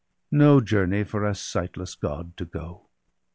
No journey for a sightless God to go!'